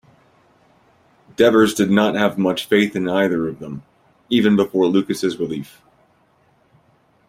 Devers did not have much faith in either of them, even before Lucas' relief.